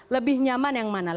lebih nyaman yang mana